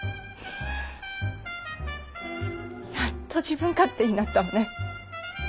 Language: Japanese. やっと自分勝手になったわね。